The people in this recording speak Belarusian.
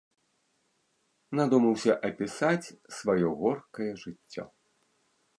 Надумаўся апісаць сваё горкае жыццё.